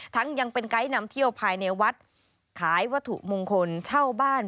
ยังเป็นไกด์นำเที่ยวภายในวัดขายวัตถุมงคลเช่าบ้าน